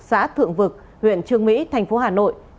xã thượng vực huyện trương mỹ thành phố hà nội